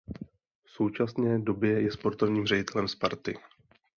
V současné době je sportovním ředitelem Sparty.